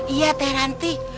iya teh nanti